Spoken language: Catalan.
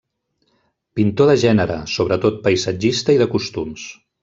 Pintor de gènere, sobretot paisatgista i de costums.